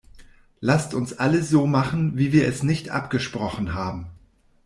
Lasst uns alles so machen, wie wir es nicht abgesprochen haben!